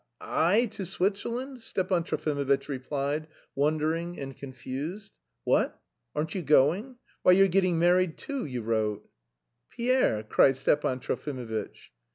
"I... to Switzerland?" Stepan Trofimovitch replied, wondering and confused. "What? Aren't you going? Why you're getting married, too, you wrote?" "Pierre!" cried Stepan Trofimovitch.